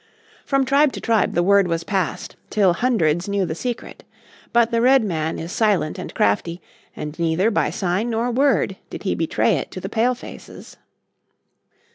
From tribe to tribe the word was passed till hundreds knew the secret. But the Redman is silent and crafty, and neither by sign nor word did he betray it to the Palefaces.